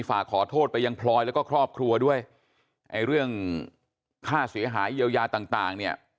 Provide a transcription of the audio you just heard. ฝากขอโทษไปยังพลอยแล้วก็ครอบครัวด้วยไอ้เรื่องค่าเสียหายเยียวยาต่างต่างเนี่ย